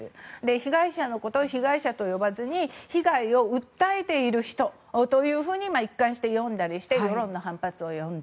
被害者のことを被害者と呼ばずに被害を訴えている人というふうに一貫して呼んだりして世論の反発を呼んだ。